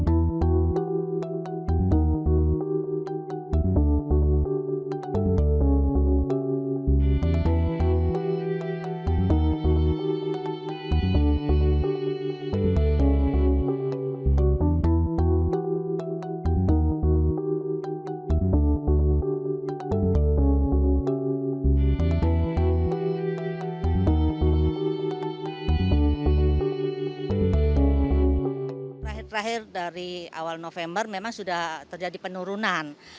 pada awal november memang sudah terjadi penurunan